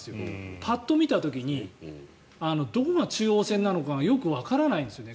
パッと見た時にどこが中央線なのかがよくわからないんですよね。